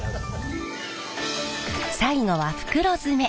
最後は袋詰め。